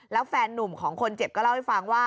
แล้วแฟนนุ่มของคนเจ็บก็เล่าให้ฟังว่า